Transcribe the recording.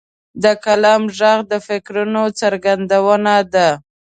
د قلم ږغ د فکرونو څرګندونه ده.